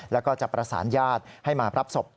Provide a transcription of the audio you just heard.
แล้วก็จะประสานญาติให้มารับศพ